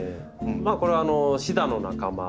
これはシダの仲間。